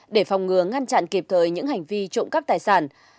để phòng ngừa ngăn chặn kịp thời những hành vi trộm cắp tài sản